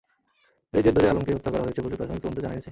এরই জের ধরে আলমকে হত্যা করা হয়েছে বলে প্রাথমিক তদন্তে জানা গেছে।